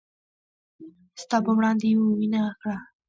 ستا په وړاندې يې وينه وکړه